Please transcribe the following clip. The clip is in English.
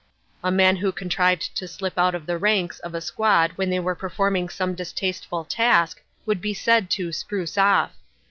A man who contrived to slip out of the ranks of a squad when they were performing some distasteful task would be said to "spruce off."